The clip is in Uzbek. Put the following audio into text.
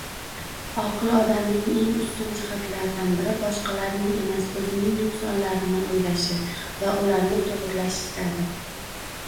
Oqil odamning eng ustun jihatlaridan biri boshqalarning emas, oʻzining nuqsonlarini oʻylashi va ularni toʻgʻrilashidir